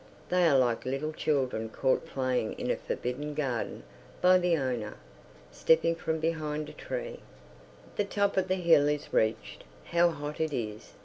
They are like little children caught playing in a forbidden garden by the owner, stepping from behind a tree. The top of the hill is reached. How hot it is!